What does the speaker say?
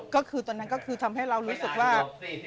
ก็คือตอนนั้นก็คือทำให้เรารู้สึกว่า